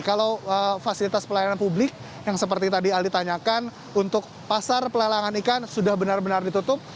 kalau fasilitas pelayanan publik yang seperti tadi ali tanyakan untuk pasar pelelangan ikan sudah benar benar ditutup